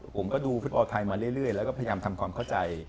ผมก็ดูฟุตบอลไทยมาเรื่อยแล้วก็พยายามทำความเข้าใจ